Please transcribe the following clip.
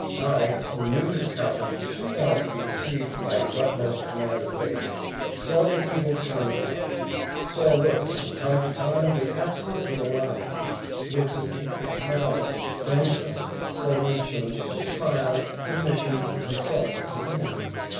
I, who knew his countenance too well to be deceived by his utmost command of face, saw the evil turn of the eye saw looks from time to time that absolutely alarmed me looks of hatred, malice, vengeance, suddenly changed to smiles, submission, and softness of demeanour.